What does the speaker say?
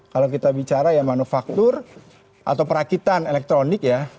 kalau kita bicara ya manufaktur atau perakitan elektronik ya